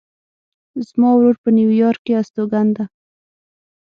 زما ورور په نیویارک کې استوګن ده